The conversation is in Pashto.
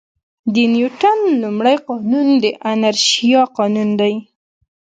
د نیوټن لومړی قانون د انرشیا قانون دی.